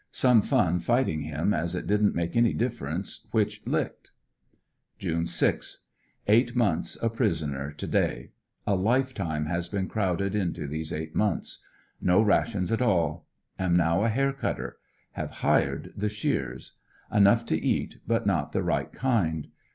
Some fun fighting him as it didn't make any difference which licked June 6. — Eight m.onths a prisoner to day. A lifetime has been crowded into these eight months. No rations at all. Am now a hair cutter. Have Mred the shears. Enough to eat but not the right kind.